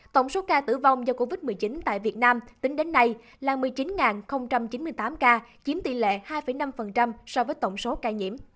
tổng số ca tử vong do covid một mươi chín tại việt nam tính đến nay là một mươi chín chín mươi tám ca chiếm tỷ lệ hai năm so với tổng số ca nhiễm